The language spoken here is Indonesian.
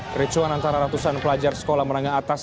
kericuan antara ratusan pelajar sekolah menengah atas